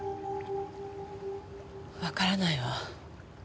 わからないわ。